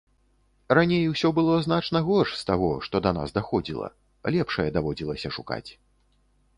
Раней усё было значна горш з таго, што да нас даходзіла, лепшае даводзілася шукаць.